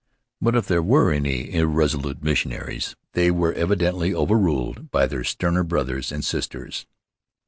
But if there were any irresolute missionaries, they were evidently overruled by their sterner brothers and sisters.